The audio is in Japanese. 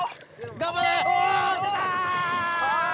頑張れ！